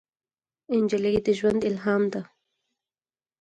نجلۍ د ژوند الهام ده.